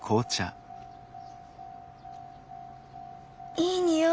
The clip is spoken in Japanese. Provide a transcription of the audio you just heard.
いい匂い。